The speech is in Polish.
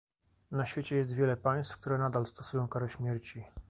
Na świecie jest wiele państw, które nadal stosują karę śmierci